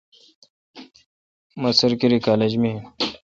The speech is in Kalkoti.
می سرکیری کالج می این۔